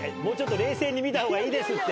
もうちょっと冷静に見た方がいいです。